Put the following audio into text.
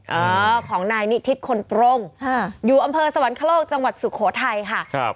เออของนายนิทิศคนตรงอยู่อำเภอสวรรคโลกจังหวัดสุโขทัยค่ะครับ